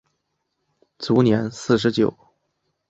卒年四十九。